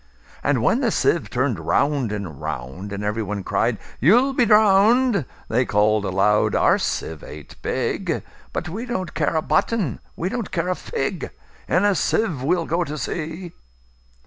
And when the sieve turn'd round and round, And every one cried, "You 'll be drown'd!"They call'd aloud, "Our sieve ain't big:But we don't care a button; we don't care a fig:In a sieve we 'll go to sea!"